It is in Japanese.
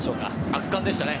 圧巻でしたね。